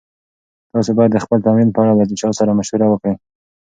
تاسي باید د خپل تمرین په اړه له چا سره مشوره وکړئ.